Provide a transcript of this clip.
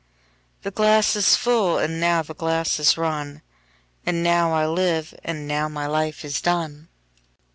17The glass is full, and now the glass is run,18And now I live, and now my life is done.